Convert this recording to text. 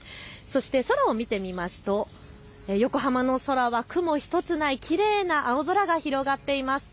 空を見てみますと横浜の空は雲１つないきれいな青空が広がっています。